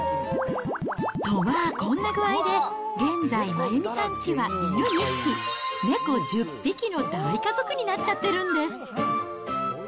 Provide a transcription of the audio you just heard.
と、まあ、こんな具合で、現在、真弓さんちは犬２匹、猫１０匹の大家族になっちゃってるんです。